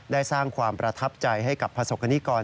ได้สร้างความประทับใจให้กับประสบกรณิกร